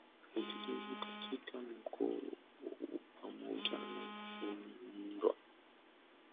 utulivu katika mkoa huo Pamoja na kuundwa